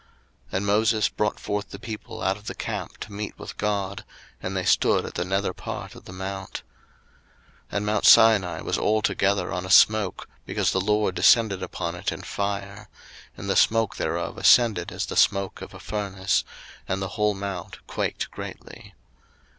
02:019:017 And Moses brought forth the people out of the camp to meet with God; and they stood at the nether part of the mount. 02:019:018 And mount Sinai was altogether on a smoke, because the LORD descended upon it in fire: and the smoke thereof ascended as the smoke of a furnace, and the whole mount quaked greatly.